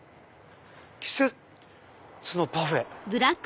「季節のパフェ」。